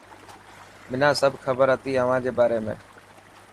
منان سڀ کبر هتي اوهان جي باري ۾.